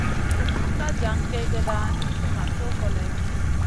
Sumun ka jan kègèda nizi ma co koleyo.